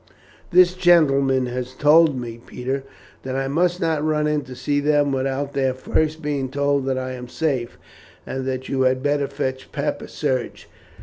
"This gentleman has told me, Peter, that I must not run in to see them without their being told first that I am safe, and that you had better fetch Papa Serge.